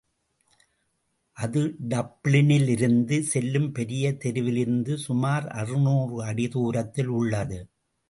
அது டப்ளினிலிைருந்து செல்லும் பெரிய தெருவிலிருந்து சுமார் அறுநூறு அடி தூரத்தில் உள்ளது.